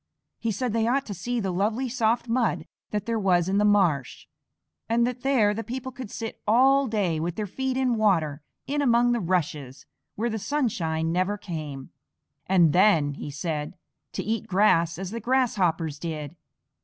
He said they ought to see the lovely soft mud that there was in the marsh, and that there the people could sit all day with their feet in water in among the rushes where the sunshine never came. "And then," he said, "to eat grass as the Grasshoppers did!